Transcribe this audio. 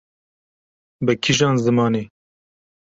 bi kîjan zimanê?